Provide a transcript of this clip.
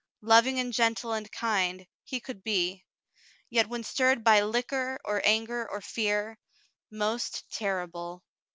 Loving and gentle and kind he could be, yet when stirred by liquor, or anger, or fear, — most terrible.